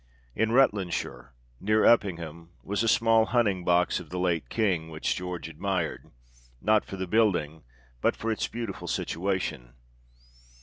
In Rutlandshire, near Uppingham, was a small hunt ing box of the late King's, which George admired ; not THE KING AT STANLEY. 35 for the building, but its beautiful situation.